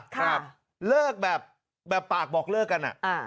ครับเลิกแบบแบบปากบอกเลิกกันอ่ะอ่า